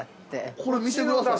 ◆これ見てください。